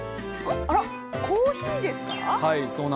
コーヒーですか？